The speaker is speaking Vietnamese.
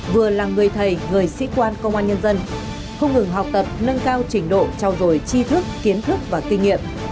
vừa là người thầy người sĩ quan công an nhân dân không ngừng học tập nâng cao trình độ trao dồi chi thức kiến thức và kinh nghiệm